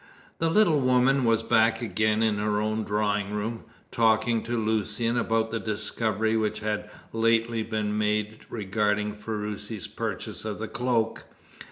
The little woman was back again in her own drawing room, talking to Lucian about the discovery which had lately been made regarding Ferruci's purchase of the cloak.